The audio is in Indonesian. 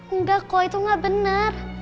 enggak kok itu nggak benar